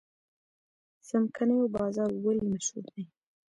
څمکنیو بازار ولې مشهور دی؟